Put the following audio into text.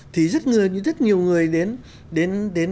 thì rất nhiều người đến